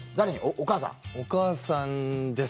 お母さんですね。